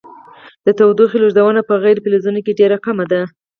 د تودوخې لیږدونه په غیر فلزونو کې ډیره کمه ده.